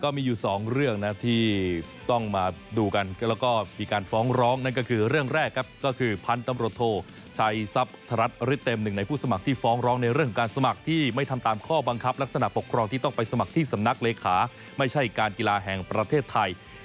มีอยู่สองเรื่องนะที่ต้องมาดูกันแล้วก็มีการฟ้องร้องนั่นก็คือเรื่องแรกครับก็คือพันธุ์ตำรวจโทชัยทรัพย์ธรัฐฤทธเต็มหนึ่งในผู้สมัครที่ฟ้องร้องในเรื่องของการสมัครที่ไม่ทำตามข้อบังคับลักษณะปกครองที่ต้องไปสมัครที่สำนักเลขาไม่ใช่การกีฬาแห่งประเทศไทย